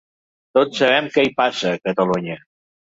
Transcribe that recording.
Tots sabem què hi passa, a Catalunya.